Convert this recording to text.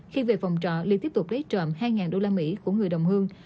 khi về phòng trọ ly tiếp tục lấy trộm hai usd của người đồng hương